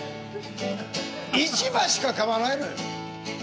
１枚しか買わないのよ。